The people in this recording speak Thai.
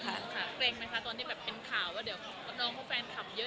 เกร็งไหมคะตอนที่แบบเป็นข่าวว่าเดี๋ยวน้องเขาแฟนคลับเยอะ